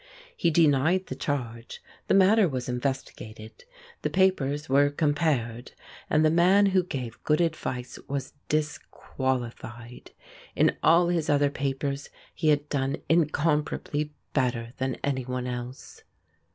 He denied the charge, the matter was investigated, the papers were compared, and the man who gave good advice was disqualified. In all his other papers he had done incomparably better than anyone else.